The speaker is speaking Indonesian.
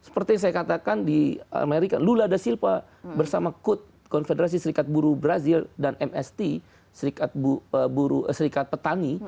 seperti yang saya katakan di amerika lula da silpa bersama code konfederasi serikat buru brazil dan mst serikat petani